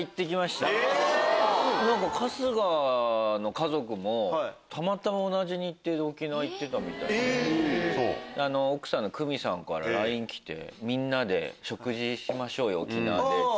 何か春日の家族もたまたま同じ日程で沖縄行ってたみたいで奥さんのクミさんからＬＩＮＥ来て「みんなで食事しましょうよ」って。